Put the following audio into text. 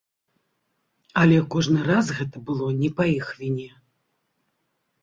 Але кожны раз гэта было не па іх віне.